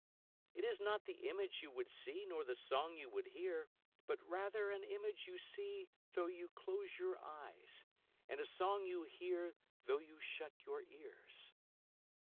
It is not the image you would see nor the song you would hear, But rather an image you see though you close your eyes and a song you hear though you shut your ears.